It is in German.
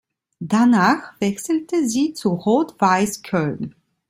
Danach wechselte sie zu Rot-Weiss Köln.